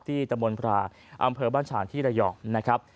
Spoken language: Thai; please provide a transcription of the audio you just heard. ที่ตะมนต์พลาอำเภอบ้านฉางที่ระหย่อมนะครับ